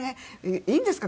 いいんですか？